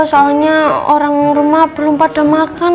soalnya orang rumah belum pada makan